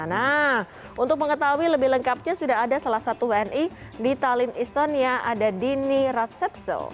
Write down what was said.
nah untuk mengetahui lebih lengkapnya sudah ada salah satu wni di talin istonia ada dini ratsepso